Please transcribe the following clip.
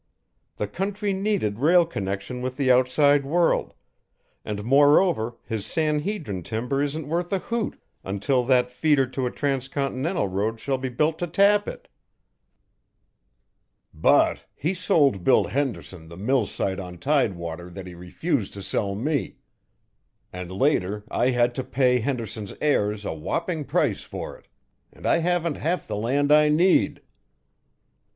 The country needed rail connection with the outside world, and moreover his San Hedrin timber isn't worth a hoot until that feeder to a transcontinental road shall be built to tap it." "But he sold Bill Henderson the mill site on tidewater that he refused to sell me, and later I had to pay Henderson's heirs a whooping price for it. And I haven't half the land I need."